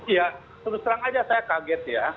ya terus terang saja saya kaget ya